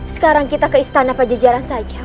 sekarang kita ke istana pada jajaran saja